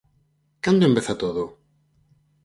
Cando empeza todo?